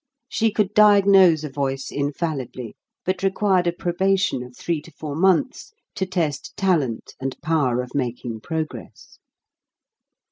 She could diagnose a voice infalli bly ; but required a probation of three to four months to test talent and power of making progress.